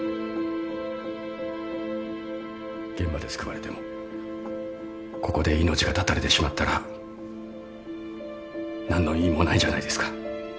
現場で救われてもここで命が絶たれてしまったら何の意味もないじゃないですか。